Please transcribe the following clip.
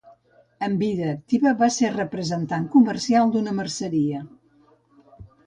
En vida activa, va ser representant comercial d'una merceria.